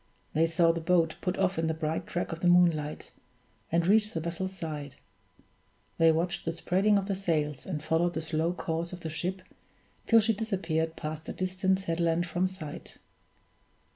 They saw the boat put off in the bright track of the moonlight, and reach the vessel's side; they watched the spreading of the sails, and followed the slow course of the ship till she disappeared past a distant headland from sight.